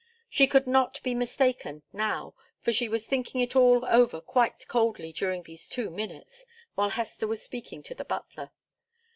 She could not be mistaken, now, for she was thinking it all over quite coldly during these two minutes, while Hester was speaking to the butler.